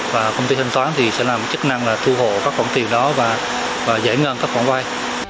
và công ty thanh toán thì sẽ làm chức năng là thu hộ các khoản tiền đó và giải ngân các khoản vay